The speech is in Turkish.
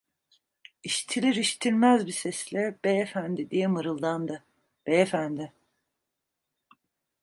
İşitilir, işitilmez bir sesle: "Beyefendi!" diye mırıldandı: "Beyefendi…"